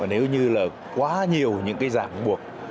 nếu như là quá nhiều những cái giảm buộc